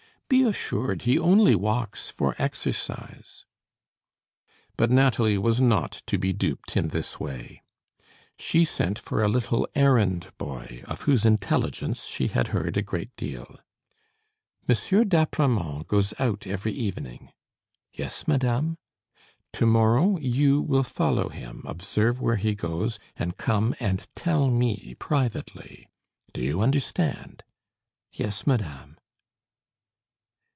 Be assured, he only walks for exercise." But Nathalie was not to be duped in this way. She sent for a little errand boy, of whose intelligence she had heard a great deal. "M. d'Apremont goes out every evening." "Yes, madame." "To morrow, you will follow him; observe where he goes, and come and tell me privately. Do you understand?" "Yes, madame."